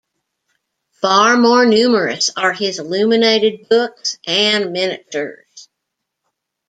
Far more numerous are his illuminated books and miniatures.